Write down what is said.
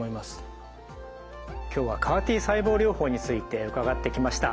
今日はＣＡＲ−Ｔ細胞療法について伺ってきました。